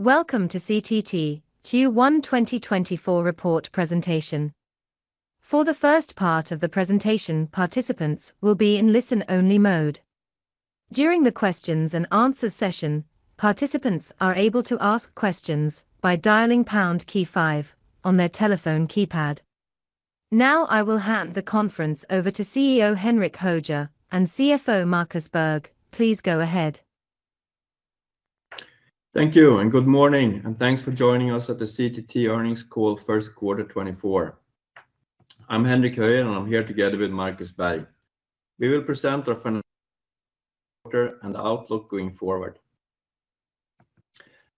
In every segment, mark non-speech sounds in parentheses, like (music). Welcome to CTT Q1 2024 report presentation. For the first part of the presentation, participants will be in listen-only mode. During the questions-and-answers session, participants are able to ask questions by dialing pound key five on their telephone keypad. Now I will hand the conference over to CEO Henrik Höjer and CFO Markus Berg, please go ahead. Thank you, and good morning, and thanks for joining us at the CTT Earnings Call first quarter 2024. I'm Henrik Höjer, and I'm here together with Markus Berg. We will present our financial report and outlook going forward.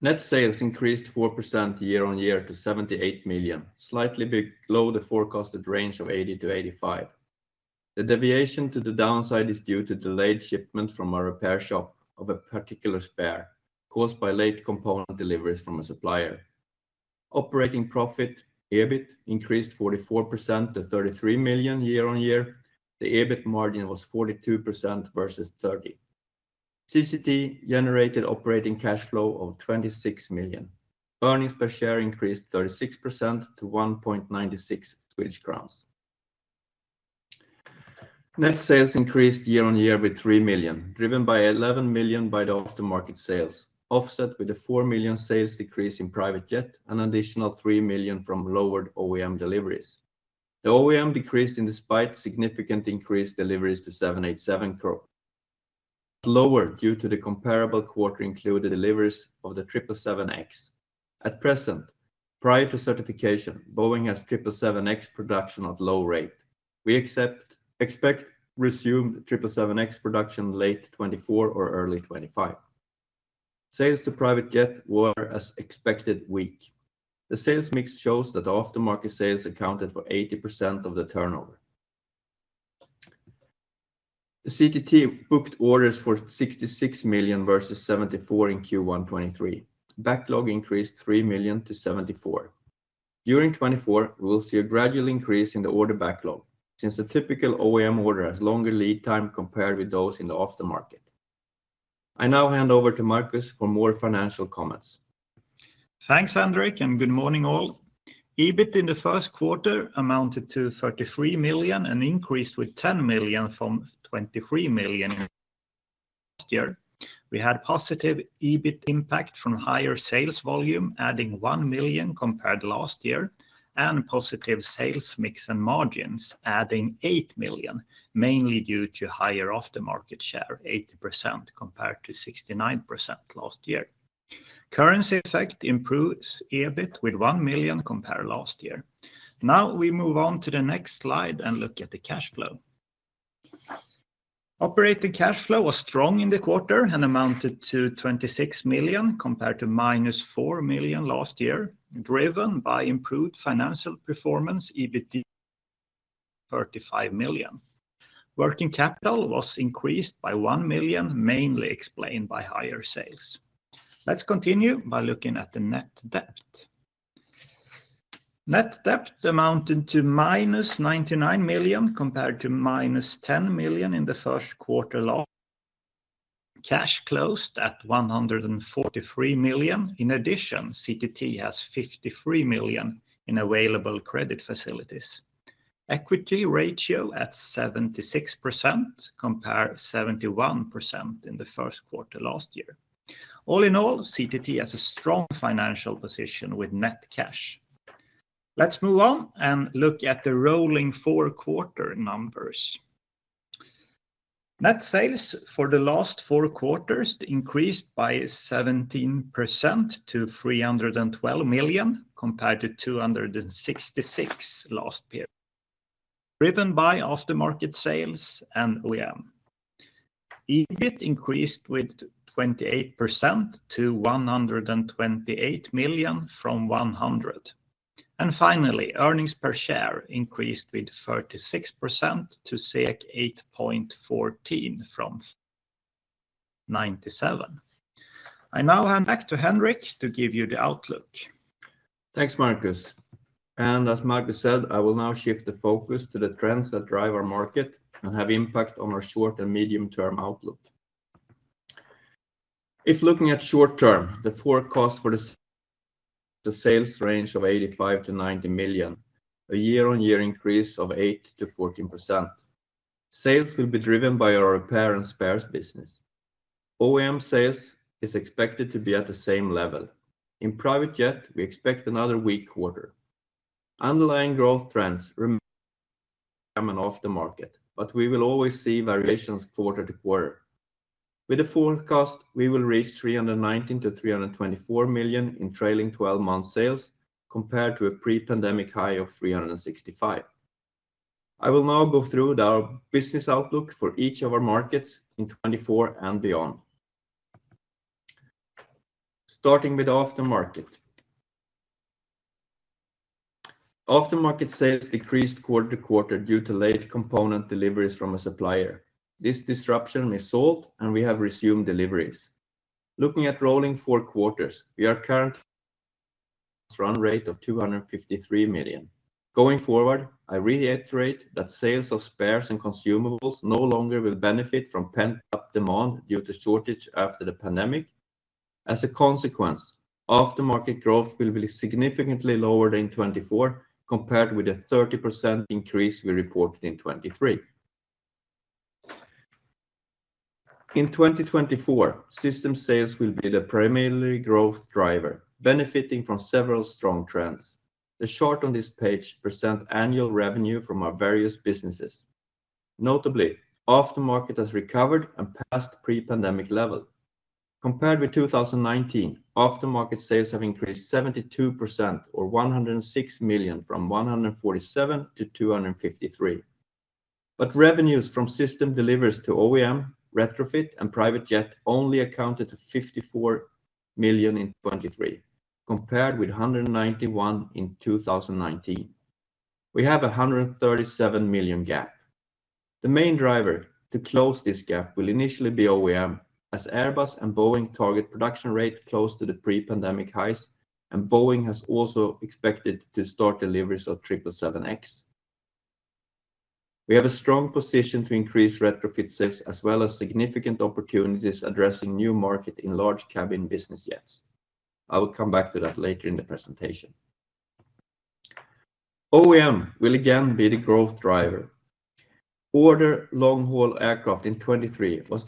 Net sales increased 4% year-on-year to 78 million, slightly below the forecasted range of 80 million-85 million. The deviation to the downside is due to delayed shipment from a repair shop of a particular spare, caused by late component deliveries from a supplier. Operating profit, EBIT, increased 44% to 33 million year-on-year. The EBIT margin was 42% versus 30%. CTT generated operating cash flow of 26 million. Earnings per share increased 36% to 1.96 Swedish crowns. Net sales increased year-on-year by 3 million, driven by 11 million from the aftermarket sales, offset by a 4 million sales decrease in private jet and an additional 3 million from lowered OEM deliveries. The OEM decreased despite significant increased deliveries to 787, but lowered due to the comparable quarter included deliveries of the 777X. At present, prior to certification, Boeing has 777X production at low rate. We expect resumed 777X production late 2024 or early 2025. Sales to private jet were as expected weak. The sales mix shows that aftermarket sales accounted for 80% of the turnover. The CTT booked orders for 66 million versus 74 million in Q1 2023. Backlog increased 3 million to 74 million. During 2024, we will see a gradual increase in the order backlog since a typical OEM order has longer lead time compared with those in the aftermarket. I now hand over to Markus for more financial comments. Thanks, Henrik, and good morning all. EBIT in the first quarter amounted to 33 million and increased with 10 million from 23 million in last year. We had positive EBIT impact from higher sales volume, adding 1 million compared to last year, and positive sales mix and margins, adding 8 million, mainly due to higher aftermarket share, 80% compared to 69% last year. Currency effect improves EBIT with 1 million compared to last year. Now we move on to the next slide and look at the cash flow. Operating cash flow was strong in the quarter and amounted to 26 million compared to -4 million last year, driven by improved financial performance, EBITDA 35 million. Working capital was increased by 1 million, mainly explained by higher sales. Let's continue by looking at the net debt. Net debt amounted to -99 million compared to -10 million in the first quarter last year. Cash closed at 143 million. In addition, CTT has 53 million in available credit facilities. Equity ratio at 76% compared to 71% in the first quarter last year. All in all, CTT has a strong financial position with net cash. Let's move on and look at the rolling four-quarter numbers. Net sales for the last four quarters increased by 17% to 312 million compared to 266 million last period, driven by aftermarket sales and OEM. EBIT increased with 28% to 128 million from 100 million. And finally, earnings per share increased with 36% to 8.14 from 5.97. I now hand back to Henrik to give you the outlook. Thanks, Markus. And as Markus said, I will now shift the focus to the trends that drive our market and have impact on our short and medium-term outlook. If looking at short term, the forecast for the sales range of 85 million-90 million, a year-on-year increase of 8%-14%. Sales will be driven by our repair and spares business. OEM sales is expected to be at the same level. In private jet, we expect another weak quarter. Underlying growth trends remain in the OEM and aftermarket, but we will always see variations quarter to quarter. With the forecast, we will reach 319 million-324 million in trailing 12-month sales compared to a pre-pandemic high of 365 million. I will now go through our business outlook for each of our markets in 2024 and beyond. Starting with aftermarket. Aftermarket sales decreased quarter to quarter due to late component deliveries from a supplier. This disruption is solved, and we have resumed deliveries. Looking at rolling four quarters, we are currently at a run rate of 253 million. Going forward, I reiterate that sales of spares and consumables no longer will benefit from pent-up demand due to shortage after the pandemic. As a consequence, aftermarket growth will be significantly lowered in 2024 compared with the 30% increase we reported in 2023. In 2024, system sales will be the primary growth driver, benefiting from several strong trends. The chart on this page presents annual revenue from our various businesses. Notably, aftermarket has recovered and passed pre-pandemic level. Compared with 2019, aftermarket sales have increased 72% or 106 million from 147 million to 253 million. Revenues from system deliveries to OEM, retrofit, and private jet only accounted for 54 million in 2023 compared with 191 million in 2019. We have a 137 million gap. The main driver to close this gap will initially be OEM, as Airbus and Boeing target production rate close to the pre-pandemic highs, and Boeing has also expected to start deliveries of 777X. We have a strong position to increase retrofit sales as well as significant opportunities addressing new markets in large cabin business jets. I will come back to that later in the presentation. OEM will again be the growth driver. Order long-haul aircraft in 2023 was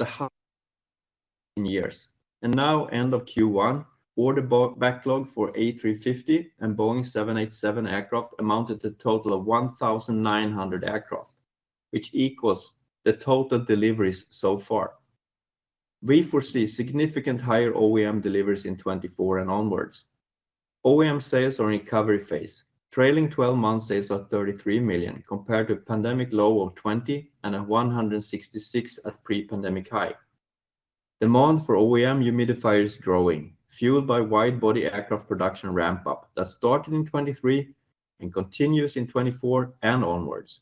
the highest in years. Now, end of Q1, order backlog for A350 and Boeing 787 aircraft amounted to a total of 1,900 aircraft, which equals the total deliveries so far. We foresee significant higher OEM deliveries in 2024 and onwards. OEM sales are in recovery phase. Trailing 12-month sales are 33 million compared to a pandemic low of 20 million and a 166 million at pre-pandemic high. Demand for OEM humidifiers is growing, fueled by widebody aircraft production ramp-up that started in 2023 and continues in 2024 and onwards.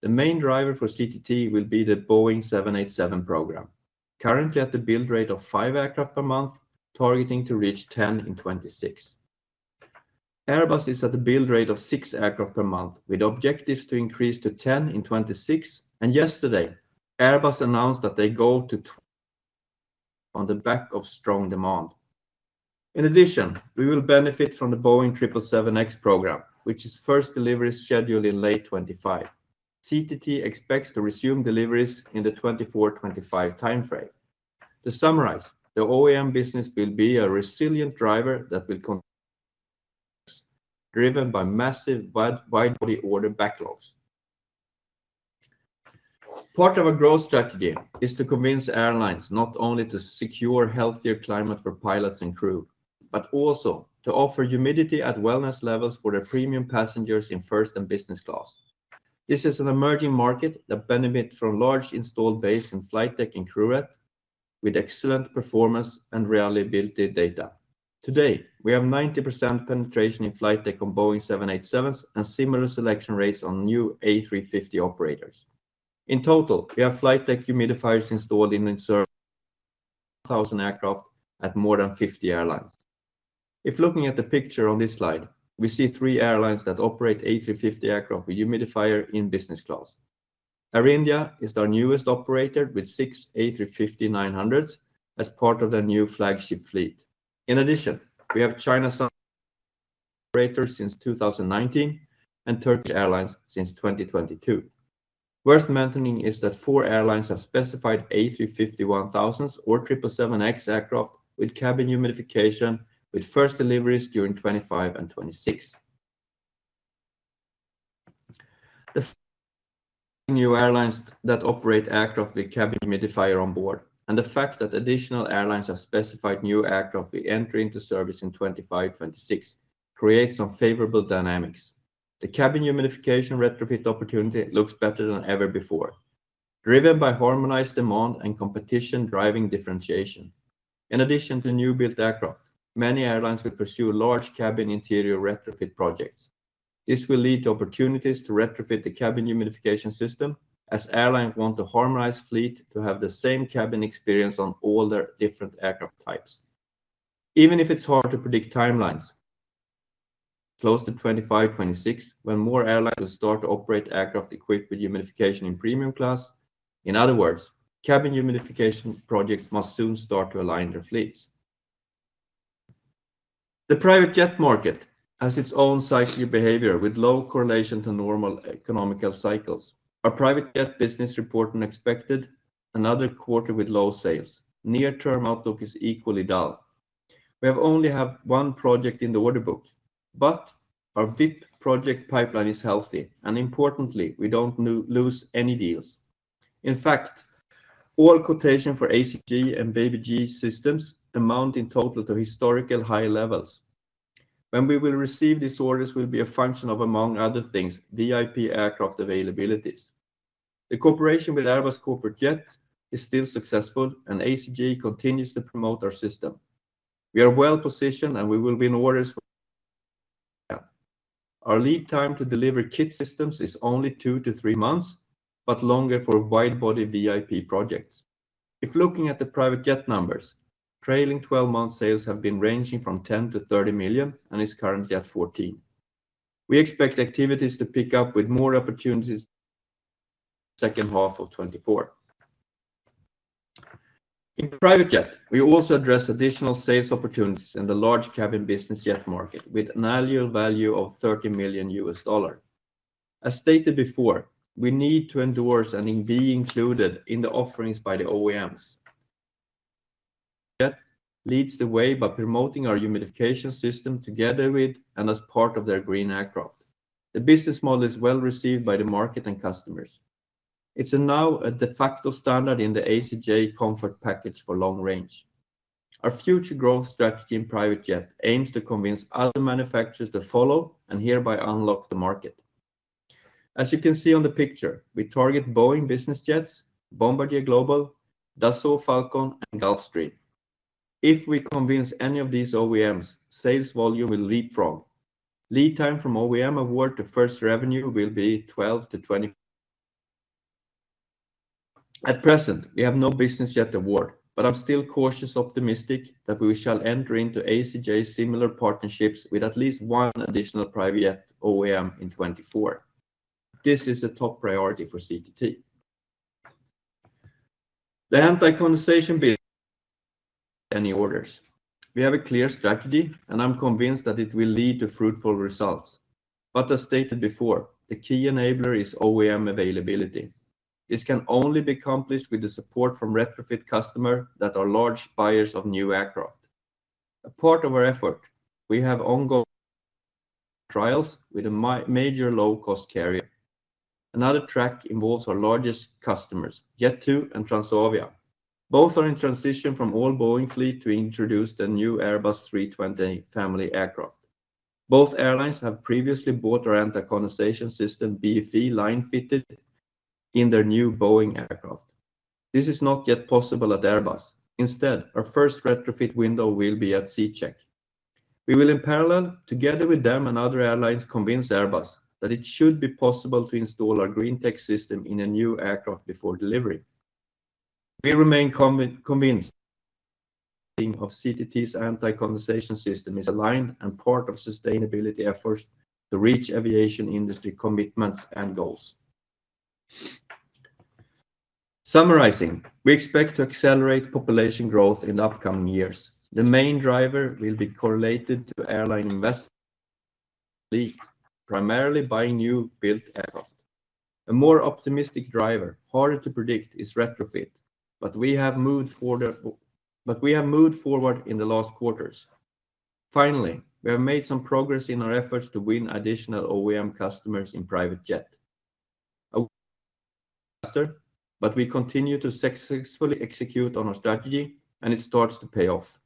The main driver for CTT will be the Boeing 787 program, currently at the build rate of five aircraft per month, targeting to reach 10 in 2026. Airbus is at a build rate of six aircraft per month with objectives to increase to 10 in 2026. Yesterday, Airbus announced that they go to 20 on the back of strong demand. In addition, we will benefit from the Boeing 777X program, which is first deliveries scheduled in late 2025. CTT expects to resume deliveries in the 2024-2025 time frame. To summarize, the OEM business will be a resilient driver that will continue to grow, driven by massive widebody order backlogs. Part of our growth strategy is to convince airlines not only to secure a healthier climate for pilots and crew, but also to offer humidity at wellness levels for their premium passengers in first and business class. This is an emerging market that benefits from large installed base in flight deck and crewette with excellent performance and reliability data. Today, we have 90% penetration in flight deck on Boeing 787s and similar selection rates on new A350 operators. In total, we have flight deck humidifiers installed in 1,000 aircraft at more than 50 airlines. If looking at the picture on this slide, we see three airlines that operate A350 aircraft with humidifier in business class. Air India is our newest operator with six A350-900s as part of their new flagship fleet. In addition, we have China Southern Airlines since 2019 and Turkish Airlines since 2022. Worth mentioning is that 4 airlines have specified A350-1000s or 777X aircraft with cabin humidification with first deliveries during 2025 and 2026. The new airlines that operate aircraft with cabin humidifier on board and the fact that additional airlines have specified new aircraft will enter into service in 2025-2026 creates some favorable dynamics. The cabin humidification retrofit opportunity looks better than ever before, driven by harmonized demand and competition-driving differentiation. In addition to new-built aircraft, many airlines will pursue large cabin interior retrofit projects. This will lead to opportunities to retrofit the cabin humidification system as airlines want to harmonize fleet to have the same cabin experience on all their different aircraft types. Even if it's hard to predict timelines, close to 2025-2026, when more airlines will start to operate aircraft equipped with humidification in premium class, in other words, cabin humidification projects must soon start to align their fleets. The private jet market has its own cyclical behavior with low correlation to normal economic cycles. Our private jet business reporting expected another quarter with low sales. Near-term outlook is equally dull. We only have one project in the order book, but our VIP project pipeline is healthy. And importantly, we don't lose any deals. In fact, all quotations for ACJ and BBJ Systems amount in total to historical high levels. When we will receive these orders will be a function of, among other things, VIP aircraft availabilities. The cooperation with Airbus Corporate Jets is still successful, and ACJ continues to promote our system. We are well positioned, and we will be in orders. Our lead time to deliver kit systems is only two to three months, but longer for widebody VIP projects. If looking at the private jet numbers, trailing 12-month sales have been ranging from 10 million-30 million and is currently at 14 million. We expect activities to pick up with more opportunities in the second half of 2024. In private jet, we also address additional sales opportunities in the large cabin business jet market with an annual value of $30 million. As stated before, we need to endorse and be included in the offerings by the OEMs. OEMs lead the way by promoting our humidification system together with and as part of their green aircraft. The business model is well received by the market and customers. It's now a de facto standard in the ACJ comfort package for long range. Our future growth strategy in private jet aims to convince other manufacturers to follow and hereby unlock the market. As you can see on the picture, we target Boeing Business Jets, Bombardier Global, Dassault Falcon, and Gulfstream. If we convince any of these OEMs, sales volume will leapfrog. Lead time from OEM award to first revenue will be 12-24. (inaudible) At present, we have no business jet award, but I'm still cautiously optimistic that we shall enter into ACJ's similar partnerships with at least one additional private jet OEM in 2024. This is a top priority for CTT. The anti-condensation builds any orders. We have a clear strategy, and I'm convinced that it will lead to fruitful results. But as stated before, the key enabler is OEM availability. This can only be accomplished with the support from retrofit customers that are large buyers of new aircraft. A part of our effort, we have ongoing trials with a major low-cost carrier. Another track involves our largest customers, Jet2 and Transavia. Both are in transition from all Boeing fleet to introduce their new Airbus A320 family aircraft. Both airlines have previously bought our anti-condensation system BFE line-fitted in their new Boeing aircraft. This is not yet possible at Airbus. Instead, our first retrofit window will be at C-check. We will, in parallel, together with them and other airlines, convince Airbus that it should be possible to install our green tech system in a new aircraft before delivery. We remain convinced that the CTT's anti-condensation system is aligned and part of sustainability efforts to reach aviation industry commitments and goals. Summarizing, we expect to accelerate population growth in the upcoming years. The main driver will be correlated to airline investments, primarily buying new-built aircraft. A more optimistic driver, harder to predict, is retrofit, but we have moved forward in the last quarters. Finally, we have made some progress in our efforts to win additional OEM customers in private jet. We continue to successfully execute on our strategy, and it starts to pay off.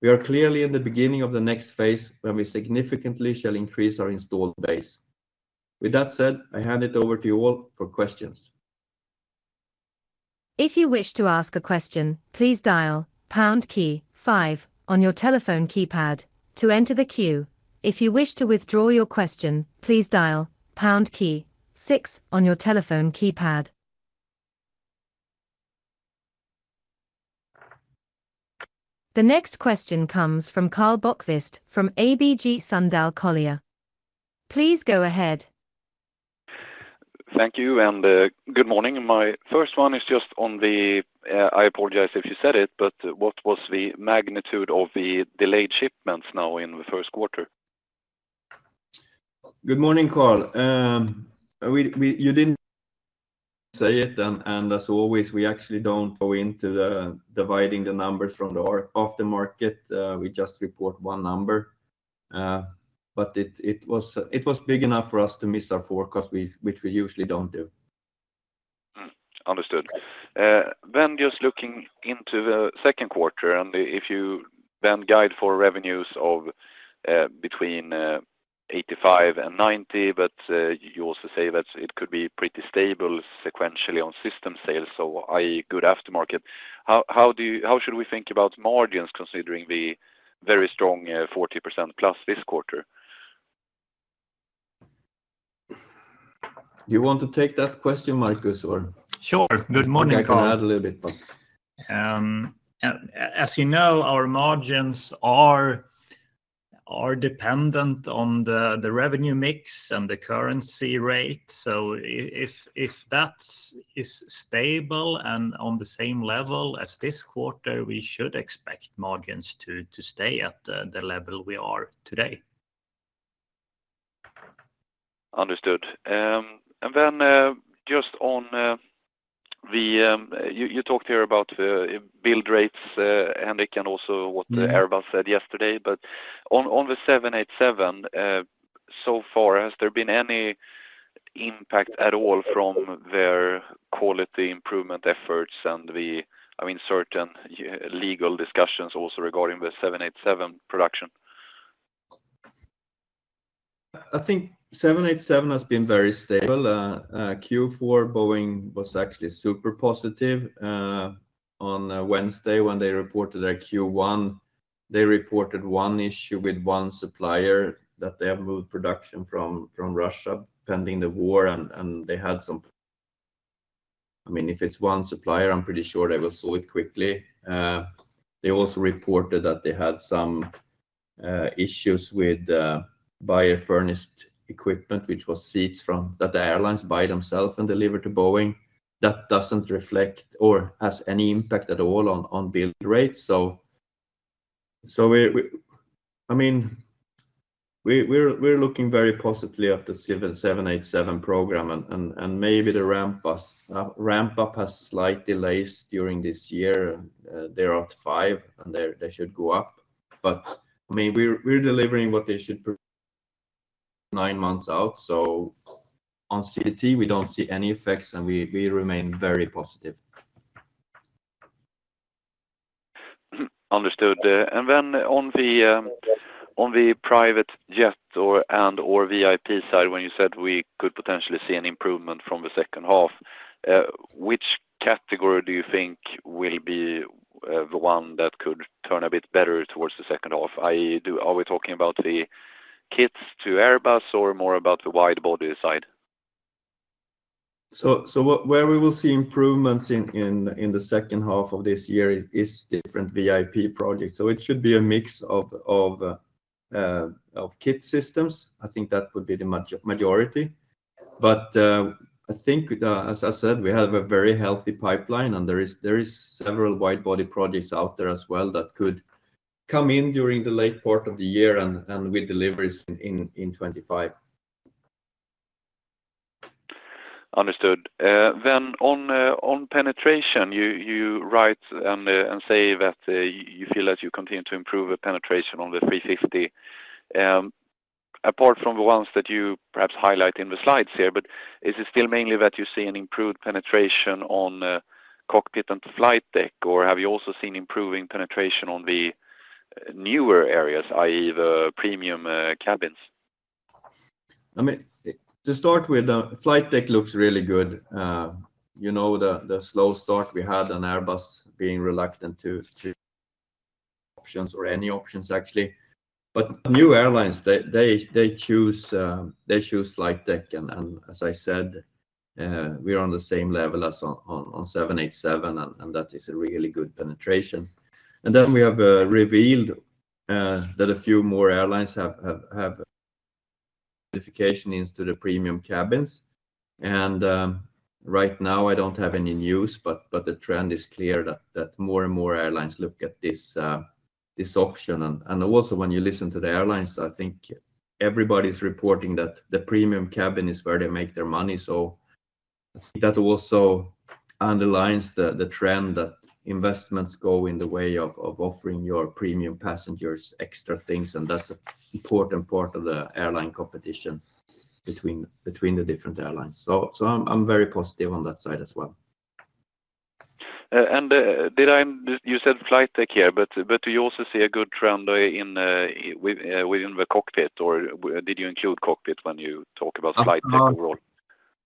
We are clearly in the beginning of the next phase when we significantly shall increase our installed base. With that said, I hand it over to you all for questions. If you wish to ask a question, please dial pound key five on your telephone keypad to enter the queue. If you wish to withdraw your question, please dial pound key six on your telephone keypad. The next question comes from Karl Bokvist from ABG Sundal Collier. Please go ahead. Thank you, and good morning. My first one is just on the. I apologize if you said it, but what was the magnitude of the delayed shipments now in the first quarter? Good morning, Karl. You didn't say it, and as always, we actually don't go into dividing the numbers from the aftermarket. We just report one number. But it was big enough for us to miss our forecast, which we usually don't do. Understood. Then just looking into the second quarter, and if you then guide for revenues between 85 and 90, but you also say that it could be pretty stable sequentially on system sales, so i.e., good aftermarket, how should we think about margins considering the very strong 40%+ this quarter? Do you want to take that question, Marcus, or? Sure. Good morning, Karl. I can add a little bit. As you know, our margins are dependent on the revenue mix and the currency rate. So if that is stable and on the same level as this quarter, we should expect margins to stay at the level we are today. Understood. And then just on the, you talked here about build rates, Henrik, and also what Airbus said yesterday. But on the 787, so far, has there been any impact at all from their quality improvement efforts and the, I mean, certain legal discussions also regarding the 787 production? I think 787 has been very stable. Q4, Boeing was actually super positive. On Wednesday, when they reported their Q1, they reported one issue with one supplier that they have moved production from Russia pending the war, and they had some I mean, if it's one supplier, I'm pretty sure they will solve it quickly. They also reported that they had some issues with buyer-furnished equipment, which was seats that the airlines buy themselves and deliver to Boeing. That doesn't reflect or has any impact at all on build rates. So I mean, we're looking very positively after the 787 program, and maybe the ramp-up has slight delays during this year. They're at five, and they should go up. But I mean, we're delivering what they should nine months out. So on CTT, we don't see any effects, and we remain very positive. Understood. And then on the private jet and/or VIP side, when you said we could potentially see an improvement from the second half, which category do you think will be the one that could turn a bit better towards the second half? i.e., are we talking about the kits to Airbus or more about the widebody side? So where we will see improvements in the second half of this year is different VIP projects. So it should be a mix of kit systems. I think that would be the majority. But I think, as I said, we have a very healthy pipeline, and there are several widebody projects out there as well that could come in during the late part of the year and with deliveries in 2025. Understood. Then on penetration, you write and say that you feel that you continue to improve the penetration on the 350, apart from the ones that you perhaps highlight in the slides here. But is it still mainly that you see an improved penetration on cockpit and flight deck, or have you also seen improving penetration on the newer areas, i.e., the premium cabins? I mean, to start with, the flight deck looks really good. The slow start we had and Airbus being reluctant to choose options or any options, actually. But new airlines, they choose flight deck. And as I said, we are on the same level as on 787, and that is a really good penetration. And then we have revealed that a few more airlines have modifications into the premium cabins. Right now, I don't have any news, but the trend is clear that more and more airlines look at this option. Also, when you listen to the airlines, I think everybody is reporting that the premium cabin is where they make their money. So I think that also underlines the trend that investments go in the way of offering your premium passengers extra things. And that's an important part of the airline competition between the different airlines. So I'm very positive on that side as well. And you said flight deck here, but do you also see a good trend within the cockpit, or did you include cockpit when you talk about flight deck overall?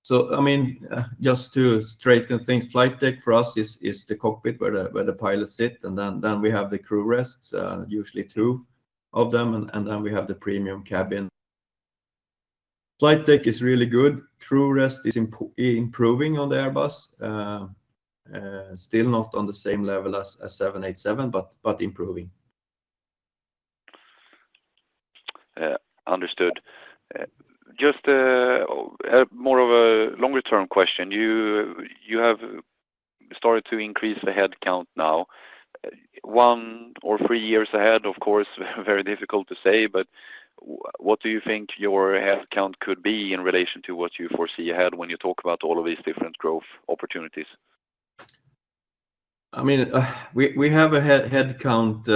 So I mean, just to straighten things, flight deck for us is the cockpit where the pilots sit. And then we have the crew rests, usually two of them. And then we have the premium cabin. Flight deck is really good. Crew rest is improving on the Airbus. Still not on the same level as 787, but improving. Understood. Just more of a longer-term question. You have started to increase the headcount now. 1 or three years ahead, of course, very difficult to say. But what do you think your headcount could be in relation to what you foresee ahead when you talk about all of these different growth opportunities? I mean, we have a headcount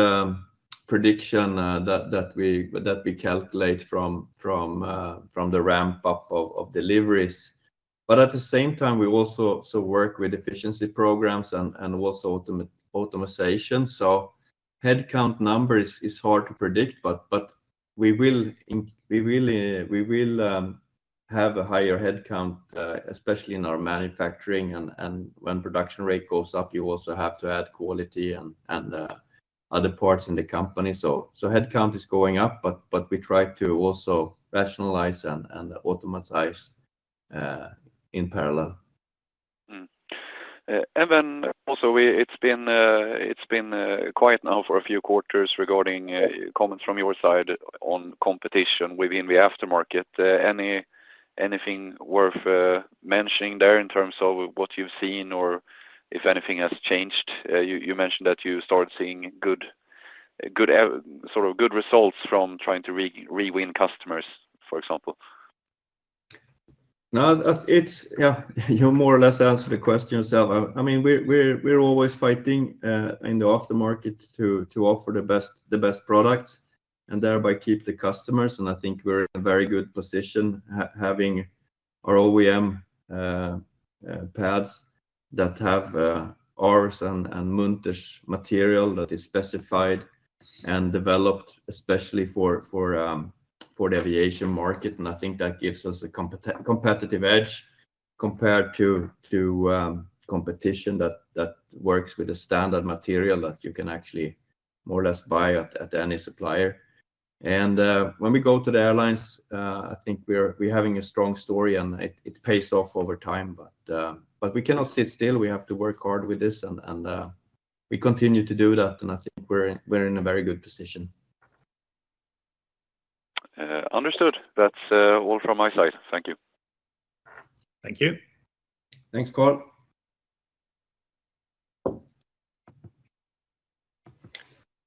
prediction that we calculate from the ramp-up of deliveries. But at the same time, we also work with efficiency programs and also automation. So headcount number is hard to predict, but we will have a higher headcount, especially in our manufacturing. And when production rate goes up, you also have to add quality and other parts in the company. So headcount is going up, but we try to also rationalize and automatize in parallel. And then also, it's been quiet now for a few quarters regarding comments from your side on competition within the aftermarket. Anything worth mentioning there in terms of what you've seen or if anything has changed? You mentioned that you started seeing sort of good results from trying to rewin customers, for example. Yeah, you more or less answered the question yourself. I mean, we're always fighting in the aftermarket to offer the best products and thereby keep the customers. And I think we're in a very good position having our OEM pads that have ours and Munters' material that is specified and developed, especially for the aviation market. I think that gives us a competitive edge compared to competition that works with a standard material that you can actually more or less buy at any supplier. When we go to the airlines, I think we're having a strong story, and it pays off over time. But we cannot sit still. We have to work hard with this, and we continue to do that. I think we're in a very good position. Understood. That's all from my side. Thank you. Thank you. Thanks, Karl.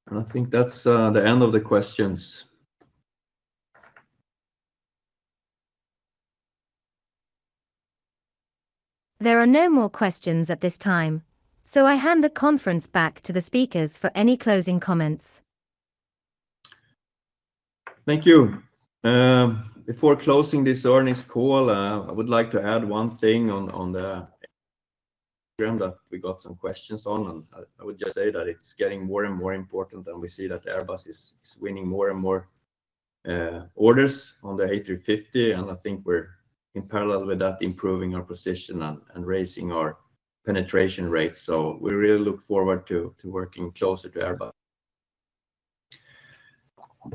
I think that's the end of the questions. There are no more questions at this time, so I hand the conference back to the speakers for any closing comments. Thank you. Before closing this earnings call, I would like to add one thing on the program that we got some questions on. I would just say that it's getting more and more important, and we see that Airbus is winning more and more orders on the A350. And I think we're, in parallel with that, improving our position and raising our penetration rate. So we really look forward to working closer to Airbus.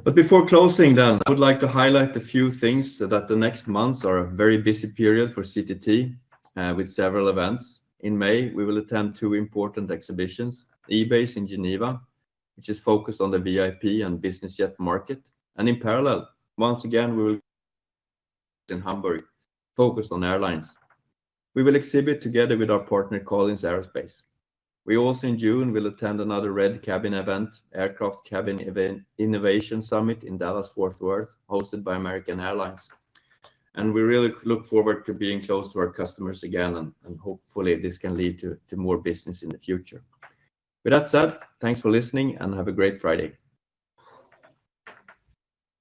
But before closing, then, I would like to highlight a few things that the next months are a very busy period for CTT with several events. In May, we will attend two important exhibitions, EBACE in Geneva, which is focused on the VIP and business jet market. And in parallel, once again, we will be in Hamburg, focused on airlines. We will exhibit together with our partner, Collins Aerospace. We also, in June, will attend another Red Cabin event, Aircraft Cabin Innovation Summit in Dallas, Fort Worth, hosted by American Airlines. We really look forward to being close to our customers again, and hopefully, this can lead to more business in the future. With that said, thanks for listening, and have a great Friday.